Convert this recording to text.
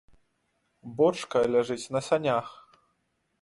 Бочка ляжыць на санях.